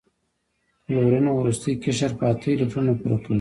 کلورین وروستی قشر په اته الکترونونه پوره کوي.